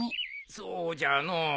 そうじゃのう。